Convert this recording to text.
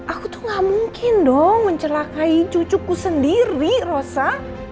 aku tuh gak mungkin dong mencelakai cucuku sendiri rosa